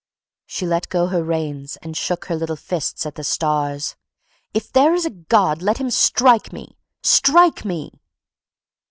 She let go her reins and shook her little fists at the stars. "If there's a God let him strike me—strike me!"